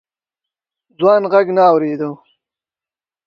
ځوان غږ نه اورېده.